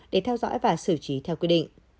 để theo dõi và xử trí theo quy định